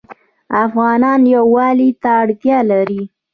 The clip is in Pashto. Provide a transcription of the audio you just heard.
افغانان یووالي ته اړتیا لري.